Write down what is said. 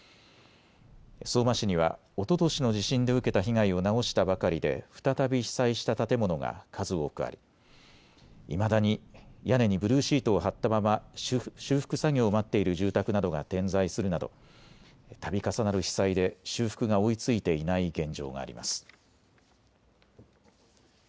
相馬市にはおととしの地震で受けた被害を直したばかりで再び被災した建物が数多くありいまだに屋根にブルーシートを張ったまま修復作業を待っている住宅などが点在するなどたび重なる被災で修復が追いついていない現状があります。